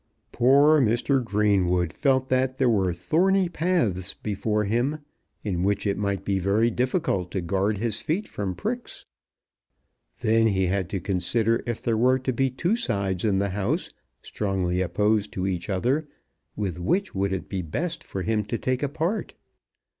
Poor Mr. Greenwood felt that there were thorny paths before him, in which it might be very difficult to guard his feet from pricks. Then he had to consider if there were to be two sides in the house, strongly opposed to each other, with which would it be best for him to take a part?